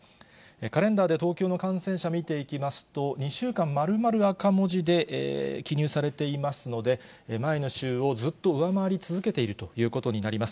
カレンダーで東京の感染者を見ていきますと、２週間丸々赤文字で記入されていますので、前の週をずっと上回り続けているということになります。